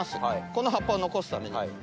この葉っぱを残すために。